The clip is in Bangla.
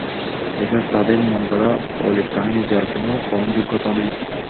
এসব তাদের মনগড়া অলীক কাহিনী যার কোন গ্রহণযোগ্যতা নেই।